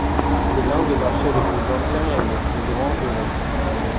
C'est l'un des marchés les plus anciens et les plus grands d'Europe.